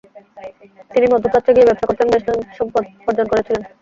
তিনি মধ্যপ্রাচ্যে গিয়ে ব্যবসা করতেন বেশ ধনসম্পদ অর্জন করেছিলেন।